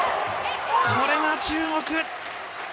これが中国。